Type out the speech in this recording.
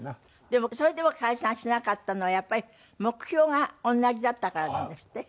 でもそれでも解散しなかったのはやっぱり目標が同じだったからなんですって？